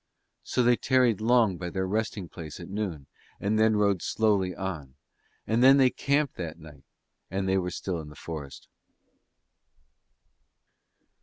So they tarried long by their resting place at noon and then rode slowly on. And when they camped that night they were still in the forest.